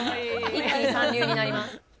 一気に三流になります